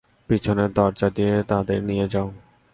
পিছনের দরজা দিয়ে তাদের নিয়ে যাও।